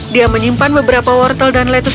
dia menyimpan beberapa wortel dan lettus